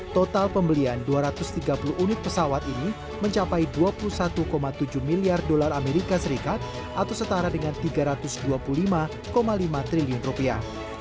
total pembelian dua ratus tiga puluh unit pesawat ini mencapai dua puluh satu tujuh miliar dolar amerika serikat atau setara dengan tiga ratus dua puluh lima lima triliun rupiah